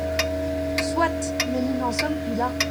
Soit ! Mais nous n’en sommes plus là.